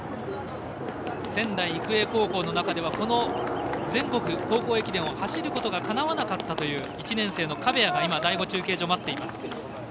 仙台育英高校の中ではこの全国高校駅伝を走ることがかなわなかったという１年生の壁谷が第５中継所、待っています。